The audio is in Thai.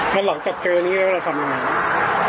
แล้วหลังจากเจอนี้เราทำยังไง